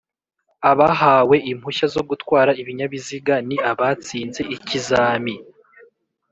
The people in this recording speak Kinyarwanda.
Abahawe impushya zogutwara ibinyabiziga ni abatsinze ikizami